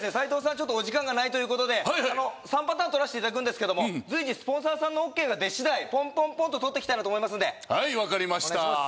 ちょっとお時間がないということで３パターン録らしていただくんですけども随時スポンサーさんのオーケーが出しだいポンポンポンと録っていきたいなと思いますんではいわかりましたお願いします